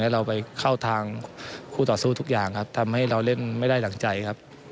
เราไปเข้าทางคู่ต่อสู้ทุกอย่างครับทำให้เราเล่นไม่ได้ดั่งใจครับ